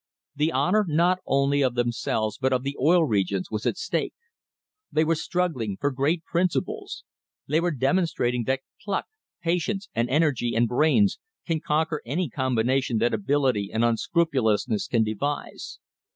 The honour not only of themselves but of the Oil Regions was at stake. They were struggling for great principles. They were demonstrating that pluck, patience, and energy and brains can conquer any combination that ability and unscrupulousness can devise.